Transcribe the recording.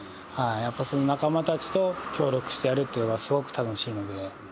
やっぱりその仲間たちと協力してやるというのがすごく楽しいので。